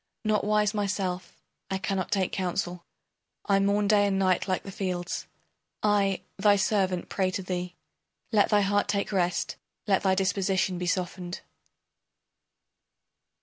Not wise myself, I cannot take counsel; I mourn day and night like the fields. I, thy servant, pray to thee. Let thy heart take rest, let thy disposition be softened.